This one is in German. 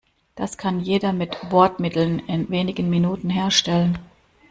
Das kann jeder mit Bordmitteln in wenigen Minuten herstellen.